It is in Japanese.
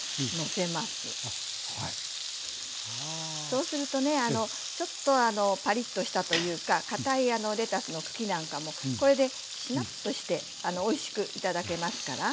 そうするとねちょっとパリッとしたというかかたいレタスの茎なんかもこれでしなっとしておいしく頂けますから。